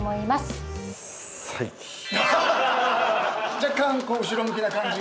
若干後ろ向きな感じが。